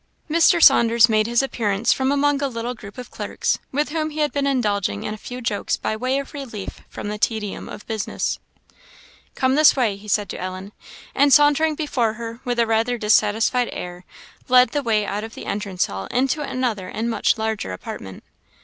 Mr. Saunders made his appearance from among a little group of clerks, with whom he had been indulging in a few jokes by way of relief from the tedium of business. "Come this way," he said to Ellen; and sauntering before her, with a rather dissatisfied air, led the way out of the entrance hall into another and much larger apartment.